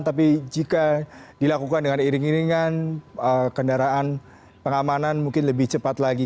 tapi jika dilakukan dengan iring iringan kendaraan pengamanan mungkin lebih cepat lagi